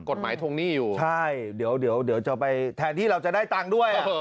กฎหมายทวงหนี้อยู่ใช่เดี๋ยวจะไปแทนที่เราจะได้ตังค์ด้วย